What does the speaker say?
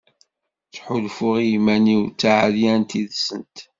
Ttḥulfuɣ iman-iw d taɛeryant yis-sent.